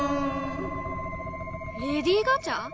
レディー・ガチャ？